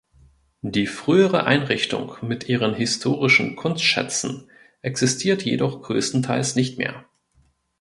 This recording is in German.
Die frühere Einrichtung mit ihren historischen Kunstschätzen existiert jedoch großenteils nicht mehr.